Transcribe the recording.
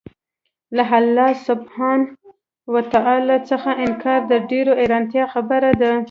له الله سبحانه وتعالی څخه انكار د ډېري حيرانتيا خبره ده